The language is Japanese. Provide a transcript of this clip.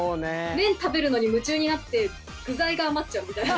麺食べるのに夢中になって具材が余っちゃうみたいな。